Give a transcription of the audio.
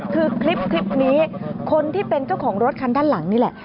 คือคลิปนี้คนที่เป็นเจ้าของรถคันด้านหลังนี่แหละ